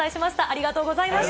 ありがとうございます。